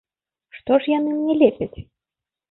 Што ж яны мне лепяць?!